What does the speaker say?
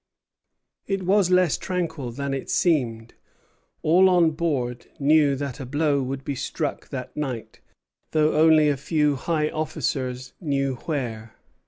It was less tranquil than it seemed. All on board knew that a blow would be struck that night, though only a few high officers knew where.